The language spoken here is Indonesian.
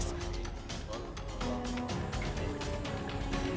sempat dikawal oleh petugas pemadam kebakaran